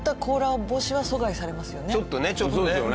ちょっとねちょっとね。